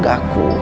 sebagai warga aku